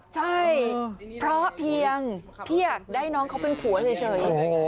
ใช่เพราะเพียงพี่อยากได้น้องเขาเป็นผัวเฉย